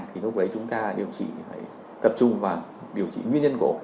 thì lúc đấy chúng ta điều trị phải tập trung vào điều trị nguyên nhân của